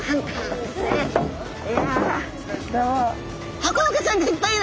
ハコフグちゃんがいっぱいいる！